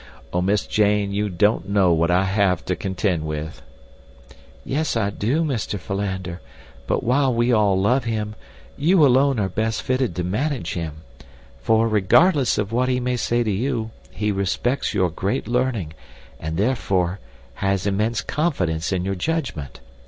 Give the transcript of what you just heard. Oh, Miss Jane, you don't know what I have to contend with." "Yes, I do, Mr. Philander; but while we all love him, you alone are best fitted to manage him; for, regardless of what he may say to you, he respects your great learning, and, therefore, has immense confidence in your judgment.